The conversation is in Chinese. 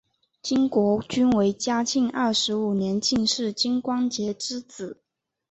金国均为嘉庆二十五年进士金光杰之子。